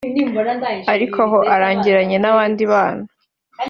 Ariko aho aragiranye n’abandi bana